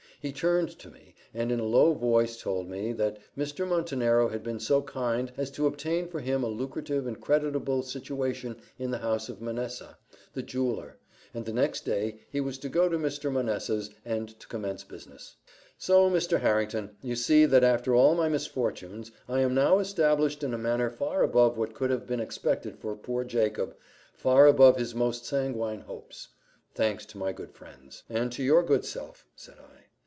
He turned to me, and in a low voice told me, that Mr. Montenero had been so kind as to obtain for him a lucrative and creditable situation in the house of Manessa, the jeweller; and the next day he was to go to Mr. Manessa's, and to commence business. "So, Mr. Harrington, you see that after all my misfortunes, I am now established in a manner far above what could have been expected for poor Jacob far above his most sanguine hopes. Thanks to my good friends." "And to your good self," said I.